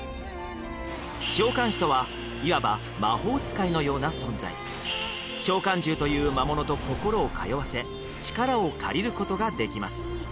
召喚士とはいわば魔法使いのような存在召喚獣という魔物と心を通わせ力を借りることができます